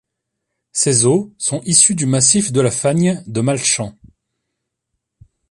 Ses eaux sont issues du massif de la fagne de Malchamps.